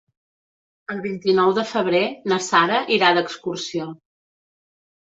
El vint-i-nou de febrer na Sara irà d'excursió.